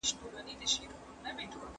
ډېر خلک د شپې د کار وروسته میلاټونین کاروي.